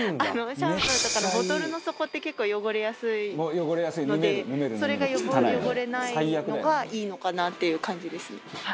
シャンプーとかのボトルの底って結構汚れやすいのでそれが汚れないのがいいのかなっていう感じですね。